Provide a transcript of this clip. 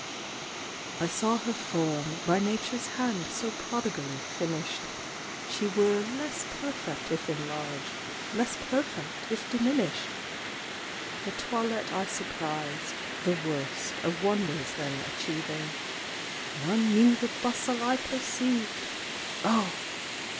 I saw her form, by Nature's hand So prodigally finished, She were less perfect if enlarged, Less perfect if diminished; Her toilet I surprised the worst Of wonders then achieving; None knew the bustle I perceived! Oh!